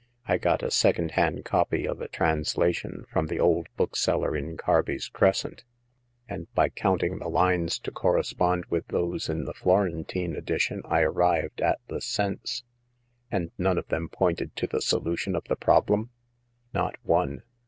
" I got a second hand copy of a translation from the old bookseller in Carby's Crescent, and by counting the lines to correspond with those in the Floren tine edition I arrived at the sense." " And none of them point to the solution of the problem ?" "Not one.